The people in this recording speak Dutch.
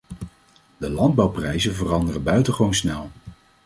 De landbouwprijzen veranderen buitengewoon snel.